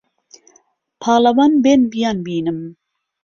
پالەوان بێنبیان بینم